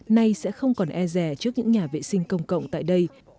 nay sẽ không còn e rè trước những nhà vệ sinh công cộng tại đây